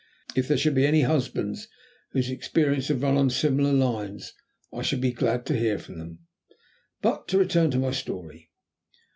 If there should be any husbands whose experience have run on similar lines, I should be glad to hear from them. But to return to my story.